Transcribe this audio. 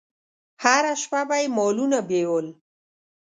هره شپه به یې مالونه بېول.